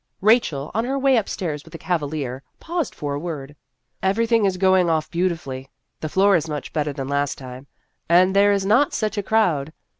Rachel, on her way up stairs with a cavalier, paused for a word. " Everything is going off beauti fully. The floor is much better than last time, and there is not such a crowd.